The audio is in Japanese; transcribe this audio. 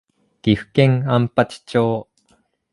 岐阜県安八町